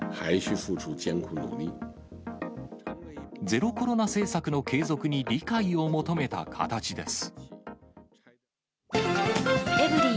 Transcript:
ゼロコロナ政策の継続に理解を求めた形です。